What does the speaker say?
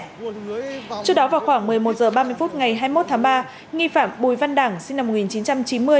trước đó vào khoảng một mươi một h ba mươi phút ngày hai mươi một tháng ba nghi phạm bùi văn đảng sinh năm một nghìn chín trăm chín mươi